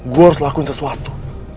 gue harus lakuin sesuatu